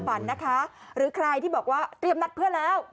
ฝันนะคะหรือใครที่บอกว่าเตรียมนัดเพื่อนแล้ว